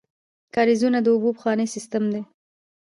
کاریزونه د اوبو پخوانی سیسټم دی.